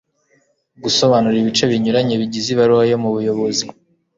gusobanura ibice binyuranye bigize ibaruwa yo mu buyobozi